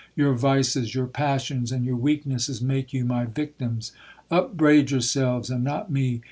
your vices, your passions, and your weaknesses, make you my victims. Upbraid yourselves, and not me.